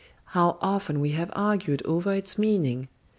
How often we have argued over its meaning!